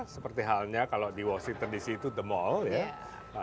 seperti halnya kalau diwawancara di situ the mall ya